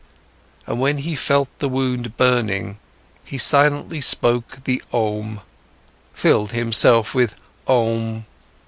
And when he felt the wound burning, he silently spoke the Om, filled himself with Om.